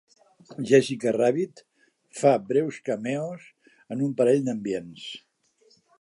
Jessica Rabbit fa breus cameos en un parell d'ambients.